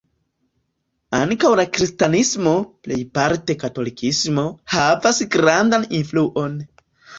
Ankaŭ la kristanismo (plejparte katolikismo) havas grandan influon.